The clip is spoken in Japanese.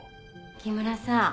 木村さん